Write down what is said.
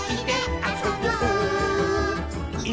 あそぼうね！